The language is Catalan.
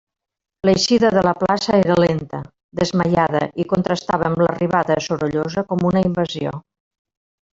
L'eixida de la plaça era lenta, desmaiada, i contrastava amb l'arribada, sorollosa com una invasió.